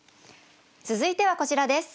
続いてはこちらです。